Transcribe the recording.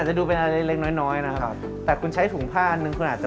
จะดูเป็นอะไรเล็กน้อยน้อยนะครับแต่คุณใช้ถุงผ้าอันหนึ่งคุณอาจจะ